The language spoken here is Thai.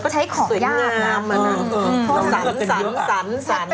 ใช้ของยากนะ